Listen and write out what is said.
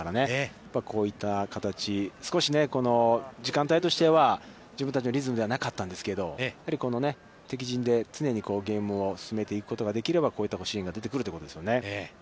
やっぱり、こういった形、少し時間帯としては、自分たちのリズムではなかったんですけど、敵陣で常にゲームを進めていくことができれば、こういったシーンが出てくるということですよね。